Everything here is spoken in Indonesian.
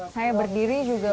saya berdiri juga